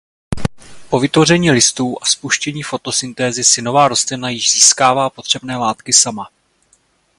Po vytvoření listů a spuštění fotosyntézy si nová rostlina již získává potřebné látky sama.